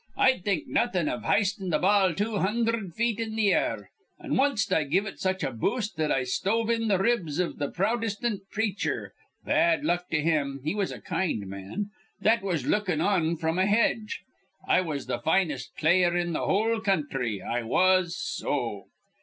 I'd think nawthin' iv histin' th' ball two hundherd feet in th' air, an' wanst I give it such a boost that I stove in th' ribs iv th' Prowtestant minister bad luck to him, he was a kind man that was lookin' on fr'm a hedge. I was th' finest player in th' whole county, I was so.